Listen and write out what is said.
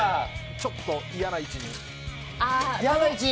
ちょっと嫌な位置に。